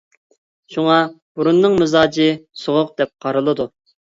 شۇڭا بۇرۇننىڭ مىزاجى سوغۇق دەپ قارىلىدۇ.